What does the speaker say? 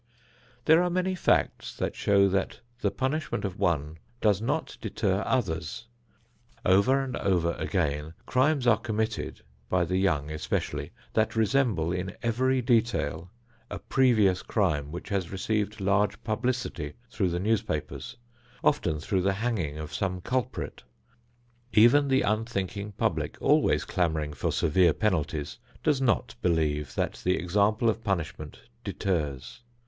There are many facts that show that the punishment of one does not deter others. Over and over again crimes are committed, by the young especially, that resemble in every detail a previous crime which has received large publicity through the newspapers, often through the hanging of some culprit. Even the unthinking public, always clamoring for severe penalties, does not believe that the example of punishment deters.